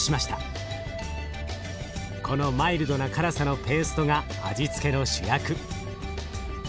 このマイルドな辛さのペーストが味付けの主役。